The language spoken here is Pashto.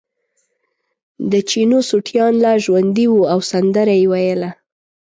د چینو سوټیان لا ژوندي وو او سندره یې ویله.